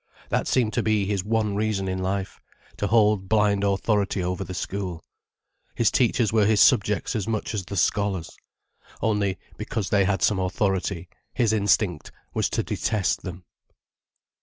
That seemed to be his one reason in life, to hold blind authority over the school. His teachers were his subjects as much as the scholars. Only, because they had some authority, his instinct was to detest them.